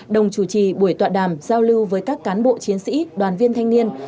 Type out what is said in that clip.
đồng chủ trì buổi tọa đàm giao lưu với các cán bộ chiến sĩ đoàn viên thanh niên